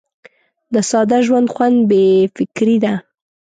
د ساده ژوند خوند بې فکري ده.